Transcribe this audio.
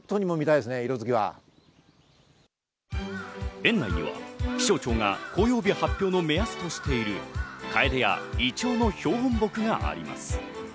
園内には、気象庁が紅葉日発表の目安としているカエデやイチョウの標本木があります。